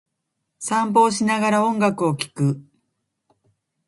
散歩をしながら、音楽を聴く。